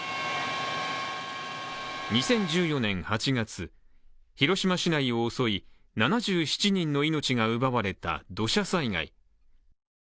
２０１４年８月、広島市内を襲い７７人の命が奪われた、土砂災害。